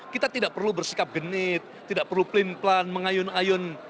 kita tidak perlu bersikap genit tidak perlu pelin pelan mengayun ayun